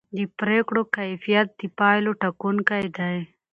د پرېکړو کیفیت د پایلو ټاکونکی دی